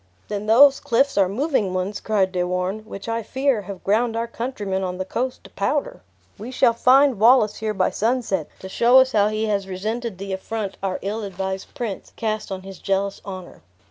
"Then those cliffs are moving ones," cried De Warenne, "which, I fear, have ground our countrymen on the coast to powder! We shall find Wallace here by sunset, to show us how he has resented the affront our ill advised prince cast on his jealous honor."